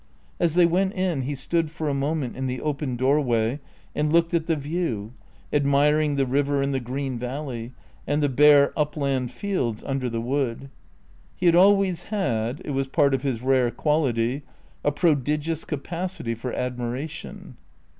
As they went in he stood for a moment in the open doorway and looked at the view, admiring the river and the green valley, and the bare upland fields under the wood. He had always had (it was part of his rare quality) a prodigious capacity for admiration.